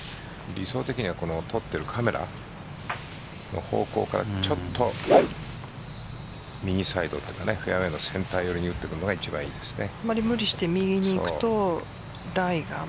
理想的には撮っているカメラ方向からちょっと右サイドというかフェアウエーのセンター寄り打つのが一番いいですね。